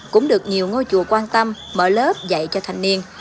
cũng được nhiều ngôi chùa quan tâm mở lớp dạy cho thanh niên